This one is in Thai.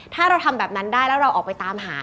ถ้าเราทำแบบนั้นได้แล้วเราออกไปตามหา